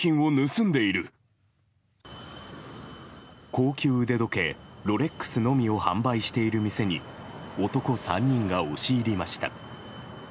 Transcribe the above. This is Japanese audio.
高級腕時計ロレックスのみを販売している店に男３人が押し入りました。